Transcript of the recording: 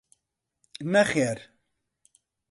نەخێر.